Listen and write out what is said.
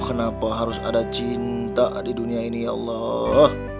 kenapa harus ada cinta di dunia ini ya allah